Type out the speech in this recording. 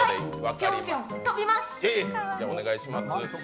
はい、ピョンピョン跳びます。